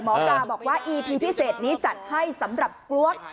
หมอปลาบอกว่าอีพีพิเศษนี้จัดให้สำหรับกลวก